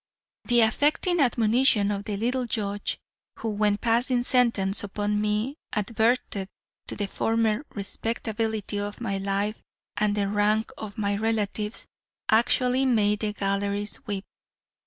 The affecting admonition of the little judge who, when passing sentence upon me, adverted to the former respectability of my life and the rank of my relatives actually made the galleries weep.